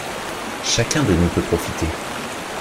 Chacun de nous peut profiter.